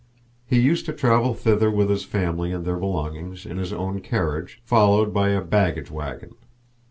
He used to travel thither with his family and their belongings in his own carriage, followed by a baggage wagon.